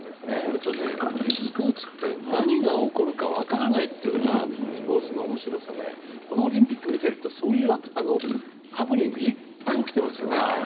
それとスポーツって何が起こるか分からないところがスポーツの面白さでこのオリンピックを見てるとそういうハプニングがいっぱい起きていますよね。